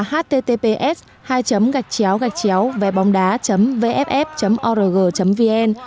https hai gạch chéo gạch chéo vbongda vff org vn